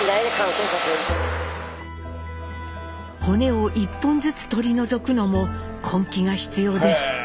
骨を１本ずつ取り除くのも根気が必要です。